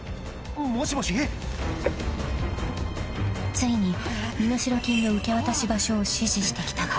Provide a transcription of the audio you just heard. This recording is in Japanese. ［ついに身代金の受け渡し場所を指示してきたが］